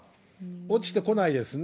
落ちてこないですね。